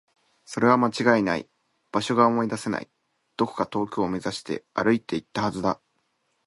それは間違いない。場所が思い出せない。どこか遠くを目指して歩いていったはずだ。